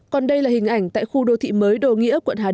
còn đây là hình ảnh tại khu đô thị mới